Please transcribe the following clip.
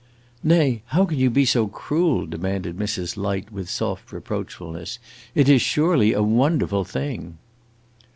"Nay, how can you be so cruel?" demanded Mrs. Light, with soft reproachfulness. "It is surely a wonderful thing!"